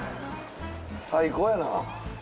最高やな。